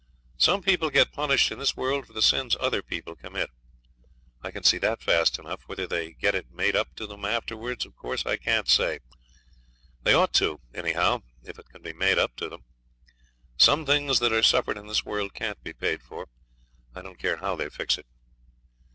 Some people gets punished in this world for the sins other people commit. I can see that fast enough. Whether they get it made up to 'em afterwards, of course I can't say. They ought to, anyhow, if it can be made up to 'em. Some things that are suffered in this world can't be paid for, I don't care how they fix it.